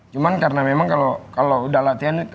cuman karena memang kalau udah latihan